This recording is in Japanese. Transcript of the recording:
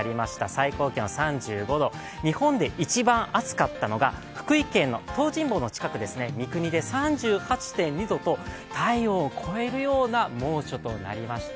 最高気温３５度、日本で一番暑かったのが福井県の東尋坊の近くの三国で３８．２度と、体温を超えるような猛暑となりました。